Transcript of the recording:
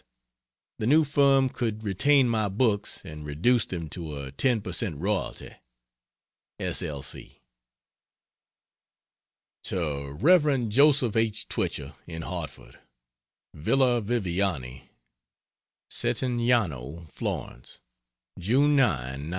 The new firm could retain my books and reduce them to a 10 percent royalty. S. L. C. To Rev. Jos. H. Twichell, in Hartford: VILLA VIVIANI, SETTIGNANO (FLORENCE) June 9, '93.